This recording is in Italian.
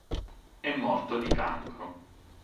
È morto di cancro.